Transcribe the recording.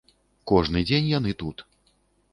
Кожны дзень яны тут.